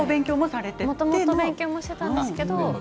もともと勉強もされていたんですね。